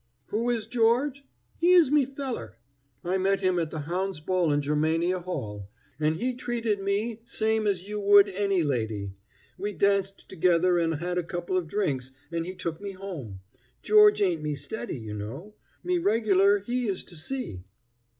"Who is George? He is me feller. I met him at the Hounds' ball in Germania Hall, an' he treated me same as you would any lady. We danced together an' had a couple of drinks, an' he took me home. George ain't me steady, you know. Me regular he is to sea.